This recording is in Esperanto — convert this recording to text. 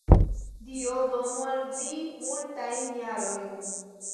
Dio donu al vi multajn jarojn!